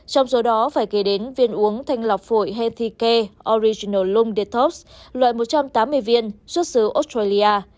trong số đó phải kể đến viên uống thanh lọc phổi healthy care original lung detox loại một trăm tám mươi viên xuất xứ australia